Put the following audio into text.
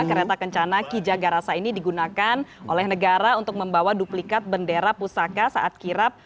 kereta kencana ki jagarasa ini digunakan oleh negara untuk membawa duplikat bendera pusaka saat kirap